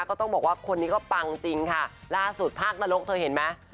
ก็ต้องบอกว่าคนนี้ก็ปังจริงค่ะล่าสุดภาคนรกเธอเห็นไหม